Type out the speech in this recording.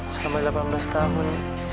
selama delapan belas tahun